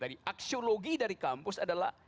aksiologi dari kampus adalah